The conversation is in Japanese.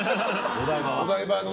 お台場の。